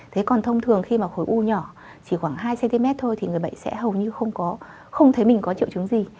thế còn thông thường khi mà khối u nhỏ chỉ khoảng hai cm thôi thì người bệnh sẽ hầu như không thấy mình có triệu chứng gì